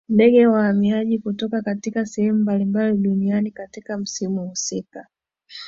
ndege wahamaji kutoka katika sehemu mbalimbali duniani katika msimu husika